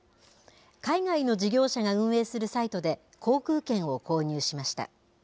海外の事業者が運営するサイトで航空券を購入しました。